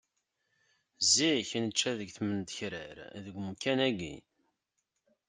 Zik, i nečča deg tmendekrar deg umkan-agi!